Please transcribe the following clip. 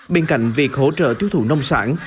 bên cạnh việc hỗ trợ tiêu thụ nông sản